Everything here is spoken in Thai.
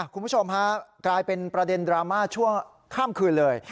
คุณผู้ชมฮะกลายเป็นประเด็นดราม่าชั่วข้ามคืนเลย